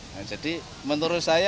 nah jadi menurut saya